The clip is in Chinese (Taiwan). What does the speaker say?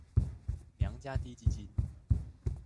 娘家滴雞精